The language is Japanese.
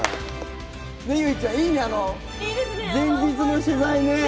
結実ちゃん、いいね、前日の取材ね。